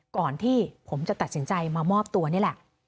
ก่อนที่ผมจะตัดสินใจมามอบตัวนี่แหละ